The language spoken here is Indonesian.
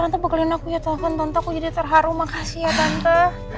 tante bekalin aku ya tau kan tante aku jadi terharu makasih ya tante